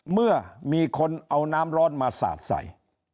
เมื่อมีคนเอาน้ำร้อนมาสาดใส่